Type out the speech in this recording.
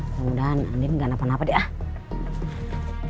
mudah mudahan andien gak napa napa deh ah